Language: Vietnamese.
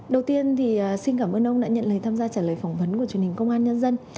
đầu tiên thì xin cảm ơn ông đã nhận lời tham gia trả lời phỏng vấn của truyền hình công an nhân dân